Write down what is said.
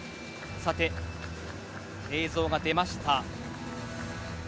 さて、映像が出ました。